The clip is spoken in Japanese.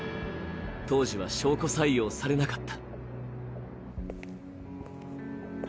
当時は証拠採用されなかった。